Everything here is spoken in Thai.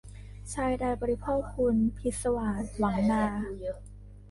ชายใดบริโภคภุญช์ พิศวาส หวังนา